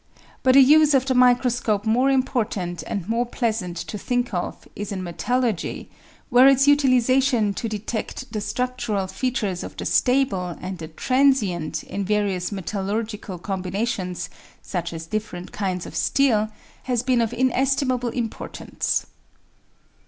But a use of the microscope more important and more pleasant to think of is in metallurgy, where its utilisation to detect the structural features of the stable and the transient in various metallurgical combinations, such as different kinds of steel, has been of in estimable importance.